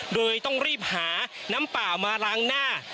โดยต้องรีบหาน้ำเปล่ามาล้างหน้า